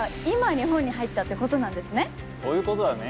じゃあそういうことだね。